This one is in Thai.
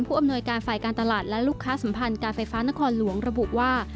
อำนวยการฝ่ายการตลาดและลูกค้าสัมพันธ์การไฟฟ้านครหลวงระบุว่า